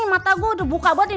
ini mata gue udah buka banget nih